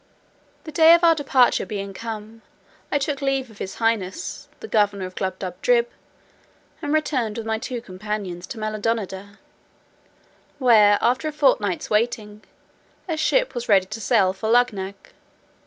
The day of our departure being come, I took leave of his highness, the Governor of Glubbdubdrib, and returned with my two companions to Maldonada, where, after a fortnight's waiting, a ship was ready to sail for Luggnagg.